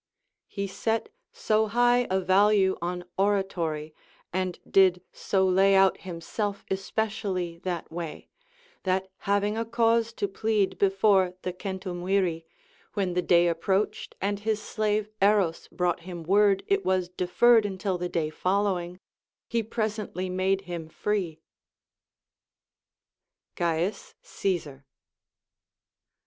He set so high a value on oratory, and did so lay out himself especially that way, that having a cause to plead before the centumviri, when the day ap proached and his slave Eros brought him word it was deferred until the day following, he presently made him free. C. Caesar.